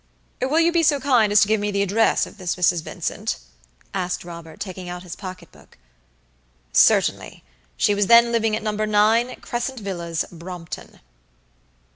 "Will you be so kind as to give me the address of this Mrs. Vincent?" asked Robert, taking out his pocketbook. "Certainly; she was then living at No. 9 Crescent Villas, Brompton."